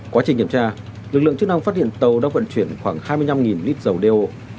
quá trình kiểm tra lực lượng chức năng phát hiện tàu đã vận chuyển khoảng hai mươi năm lít dầu đeo